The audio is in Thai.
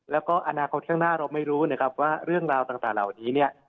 แล้วก็อนาคตข้างหน้าเราไม่รู้นะครับว่าเรื่องราวต่างเหล่านี้เนี่ย